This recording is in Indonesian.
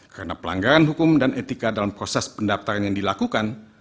karena pelanggaran hukum dan etika dalam proses pendaftaran yang dilakukan